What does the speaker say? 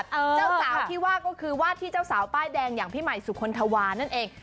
เจ้าสาวก็คือว่าที่เจ้าสาวปลายแดงอย่างพี่มัยสุคลทวาแล้วนั่นเอง